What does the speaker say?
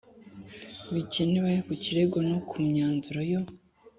bikenewe ku kirego no ku myanzuro yo